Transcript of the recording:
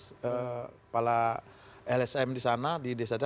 kepala lsm di sana di desa desa